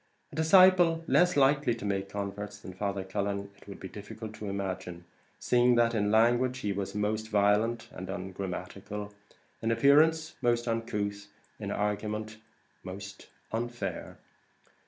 A disciple less likely to make converts than Father Cullen it would be difficult to imagine, seeing that in language he was most violent and ungrammatical in appearance most uncouth in argument most unfair.